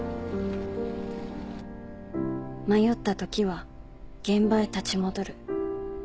「迷った時は現場へ立ち戻る」